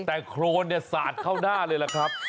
แต่โครนเนี่ยสาดเข้าหน้าเลยล่ะครับ